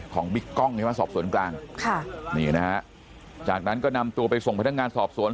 ค่ะนี่นะฮะจากนั้นก็นำตัวไปส่งพัฒนางานสอบสวน